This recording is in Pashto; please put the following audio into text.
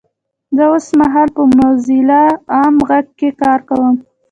زه اوسمهال په موځیلا عام غږ کې کار کوم 😊!